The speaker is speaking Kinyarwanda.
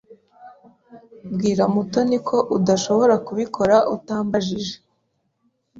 Bwira Mutoni ko udashobora kubikora atambajije.